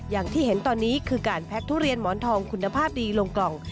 อย่างที่เห็นตอนนี้คือการแพ็กทุเรียนหมอนทองคุณภาพดีลงกล่อง